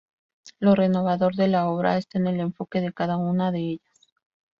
Lo renovador de la obra está en el enfoque de cada una de ellas.